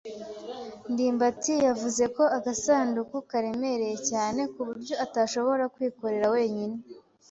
ndimbati yavuze ko agasanduku karemereye cyane ku buryo atashobora kwikorera wenyine.